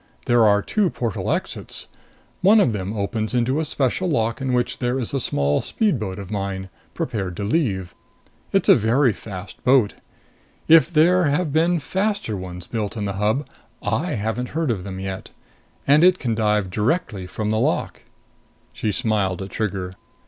There are two portal exits. One of them opens into a special lock in which there is a small speedboat of mine, prepared to leave. It's a very fast boat. If there have been faster ones built in the Hub, I haven't heard of them yet. And it can dive directly from the lock." She smiled at Trigger.